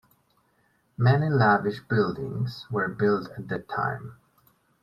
Many lavish buildings were built at that time.